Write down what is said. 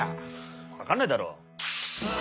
分かんないだろ。